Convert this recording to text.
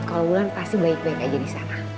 kalau wulan pasti baik banyak aja di sana